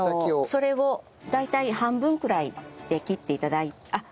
それを大体半分くらいで切って頂いあっ